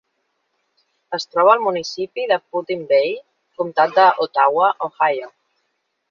Es troba al municipi de Put-in-Bay, comtat d'Ottawa, Ohio.